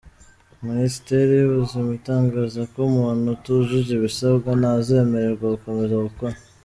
Minisiteri y’Ubuzima itangaza ko umuntu utujuje ibisabwa ntazemererwa gukomeza gukora.